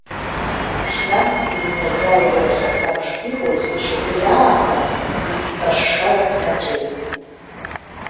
Ҽнак, иҩны азааигәара хьацак шԥиҟоз, ишьапы иаахан, ижәтәашшара ԥнаҵәеит.